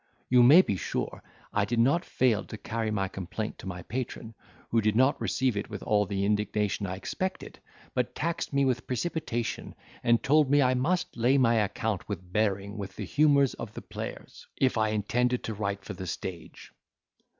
You may be sure, I did not fail to carry my complaint to my patron, who did not receive it with all the indignation I expected; but taxed me with precipitation, and told me I must lay my account with bearing with the humours of the players, if I intended to write for the stage.